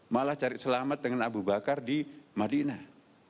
malah cari selamat dengan abu bakar di madinah